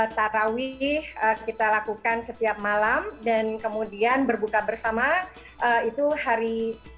tarawih kita lakukan setiap malam dan kemudian berbuka bersama itu hari